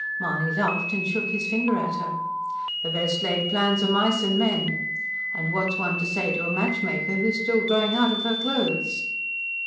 Mahony laughed and shook his finger at her. "The best laid plans o' mice and men! And what's one to say to a match maker who is still growing out of her clothes?"